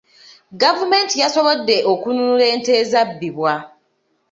Gavumenti yasobodde okununula ente ezabbibwa.